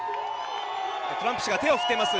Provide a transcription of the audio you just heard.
トランプ氏が手を振っています。